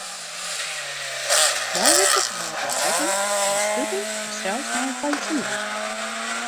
Meiwurkers hâlde rekken mei sluting of sels mei in fallisemint.